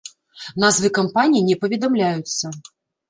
Назвы кампаній не паведамляюцца.